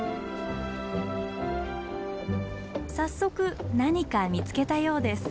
早速何か見つけたようです。